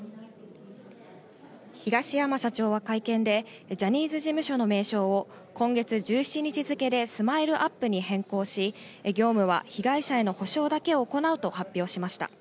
東山社長は会見で、ジャニーズ事務所の名称を、今月１７日付でスマイルアップに変更し、業務は被害者への補償だけを行うと発表しました。